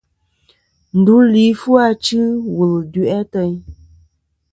Ndu li fu achɨ wul du'i ateyn.